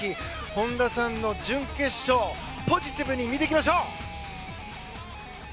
本多さんの準決勝をポジティブに見ていきましょう！